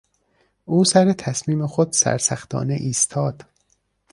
او سر تصمیم خود سرسختانه ایستاد.